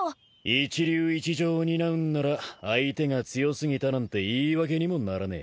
一流一場を担うんなら相手が強過ぎたなんて言い訳にもならねえ。